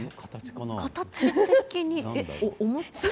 形的にお餅？